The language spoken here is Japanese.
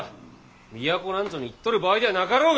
都なんぞに行っとる場合ではなかろうが！